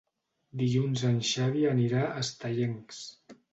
Dilluns en Xavi anirà a Estellencs.